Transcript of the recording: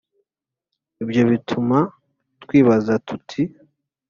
ibyo bituma twibaza tuti,